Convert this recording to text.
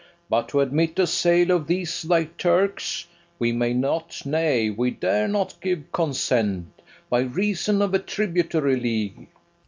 But to admit a sale of these thy Turks, We may not, nay, we dare not give consent, By reason of a tributary league.